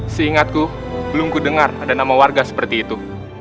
seingatku belum ku dengar ada nama warga seperti itu